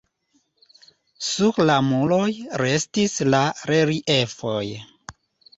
Sur la muroj restis la reliefoj.